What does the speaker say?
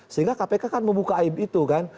sehingga kpk kan membuka aib itu kan